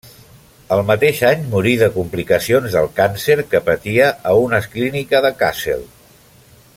El mateix any morí de complicacions del càncer que patia a una clínica de Kassel.